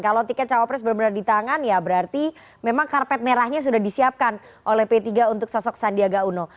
kalau tiket cawapres benar benar di tangan ya berarti memang karpet merahnya sudah disiapkan oleh p tiga untuk sosok sandiaga uno